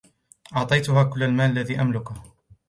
أعطيتها كل المال الذي أملكه.